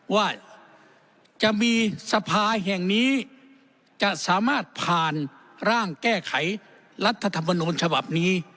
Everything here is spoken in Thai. ว่าจะมีสภาแห่งนี้จะสามารถผ่านร่างแก้ไขรัฐธรรมนูญฉบับนี้